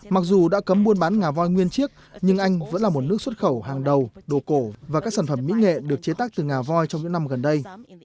mặc dù đã cấm buôn bán ngà voi nguyên chiếc nhưng anh vẫn là một nước xuất khẩu hàng đầu đồ cổ và các sản phẩm mỹ nghệ được chế tác từ ngà voi trong những năm gần đây